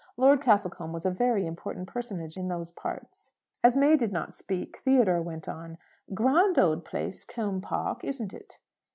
Lord Castlecombe was a very important personage in those parts. As May did not speak, Theodore went on: "Grand old place, Combe Park, isn't it?"